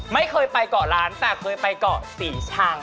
ไม่เคยไปก่อร้านแต่เคยไปก่อสีชัง